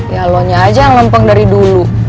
ya lo nya aja yang lempeng dari dulu